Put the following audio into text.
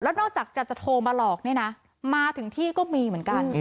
นอกจากจะโทรมาหลอกเนี่ยนะมาถึงที่ก็มีเหมือนกัน